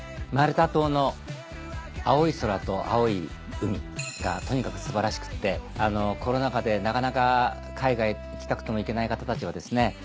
マルタ島の青い空と青い海がとにかく素晴らしくてコロナ禍でなかなか海外行きたくても行けない方たちはですね